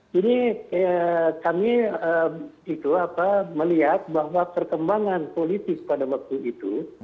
jadi kami melihat bahwa perkembangan politik pada waktu itu